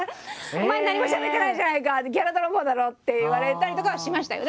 「お前何もしゃべってないじゃないかギャラ泥棒だろ！」って言われたりとかはしましたよ。